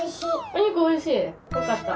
おにくおいしいよかった。